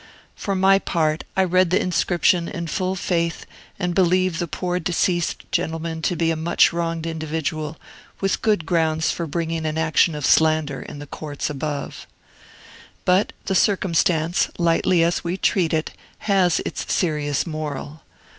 For my part, I read the inscription in full faith, and believe the poor deceased gentleman to be a much wronged individual, with good grounds for bringing an action of slander in the courts above. But the circumstance, lightly as we treat it, has its serious moral.